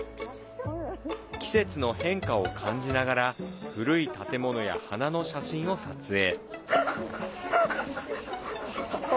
季節の変化を感じながら古い建物や花の写真を撮影。